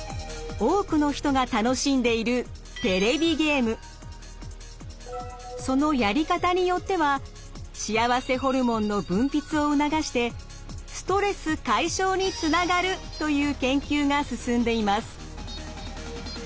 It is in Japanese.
多くの人が楽しんでいるそのやり方によっては幸せホルモンの分泌を促してストレス解消につながるという研究が進んでいます。